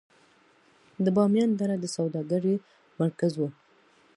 د بامیان دره د سوداګرۍ مرکز و